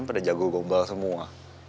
pada jago gombal semua